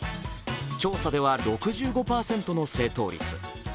調査では６５％の正答率。